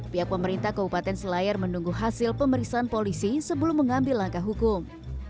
pihak pemerintah kabupaten selayar menunggu hasil pemeriksaan polisi sebelum mengambil langkah hukum